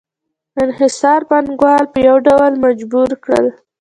انحصار پانګوال په یو ډول مجبور کړل